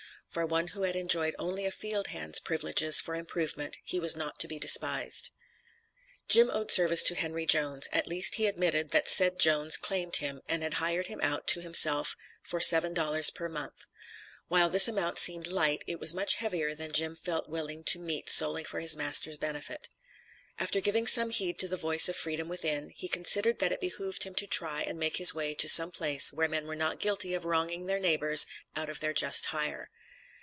For one who had enjoyed only a field hand's privileges for improvement, he was not to be despised. Jim owed service to Henry Jones; at least he admitted that said Jones claimed him, and had hired him out to himself for seven dollars per month. While this amount seemed light, it was much heavier than Jim felt willing to meet solely for his master's benefit. After giving some heed to the voice of freedom within, he considered that it behooved him to try and make his way to some place where men were not guilty of wronging their neighbors out of their just hire.